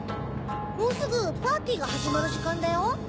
もうすぐパーティーがはじまるじかんだよ。